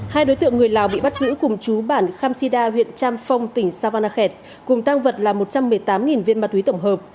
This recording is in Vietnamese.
hai đối tượng người lào bị bắt giữ cùng chú bản kham sida huyện champong tỉnh savanakhet cùng tăng vật là một trăm một mươi tám viên ma túy tổng hợp